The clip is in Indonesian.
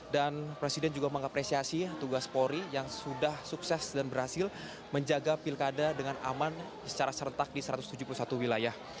dan presiden juga mengapresiasi tugas polri yang sudah sukses dan berhasil menjaga pilkada dengan aman secara serentak di satu ratus tujuh puluh satu wilayah